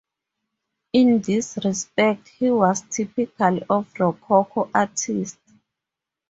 In this respect he was typical of Rococo artists.